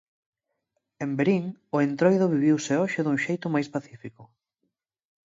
En Verín, o Entroido viviuse hoxe dun xeito máis pacífico.